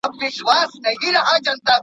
د بې نظمۍ په حال کي د ځان وژني احتمال ډيريږي.